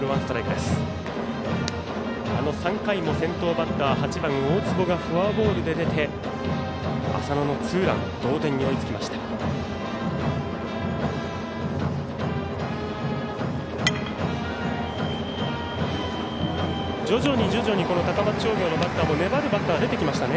３回も先頭バッター８番、大坪がフォアボールで出て浅野のツーラン同点に追いつきました。